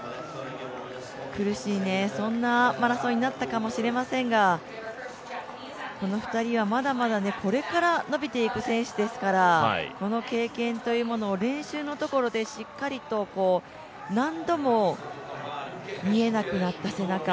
苦しいね、そんなマラソンになったかもしれませんが、この２人はまだまだこれから伸びていく選手ですからこの経験というものを練習のところでしっかりと、何度も見えなくなった背中